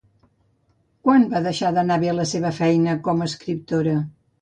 Quan va deixar d'anar bé la seva feina com a escriptora?